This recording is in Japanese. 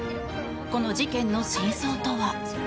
この事件の真相とは。